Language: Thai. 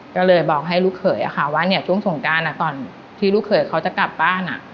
ก็เลยบอกให้ลูกเขยว่าเนี่ยช่วงสงการก่อนที่ลูกเขยเขาจะกลับบ้าน